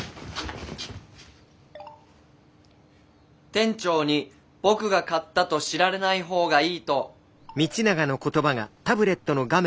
店長に僕が買ったと知られない方がいいと。